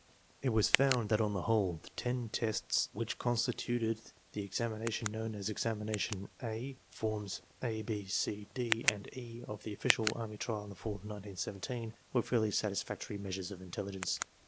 i It was found that on the whole the ten tests which constituted the examination known as Examination A, forms A, B, C, D, and E of the official army trial in the fall of 1917, were fairly satisfactory measures of intelligence.